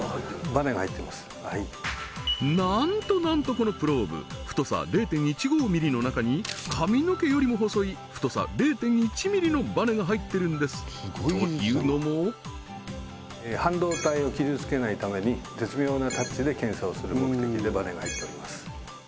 バネが入ってますはいなんとなんとこのプローブ太さ髪の毛よりも細い太さ０．１ミリのバネが入ってるんですというのも半導体を傷つけないために絶妙なタッチで検査をする目的でバネが入っております